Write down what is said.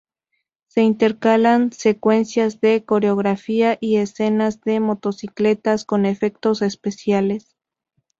Se intercalan secuencias de coreografía y escenas de motocicletas con efectos especiales.